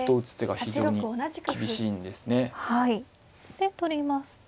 で取りますと。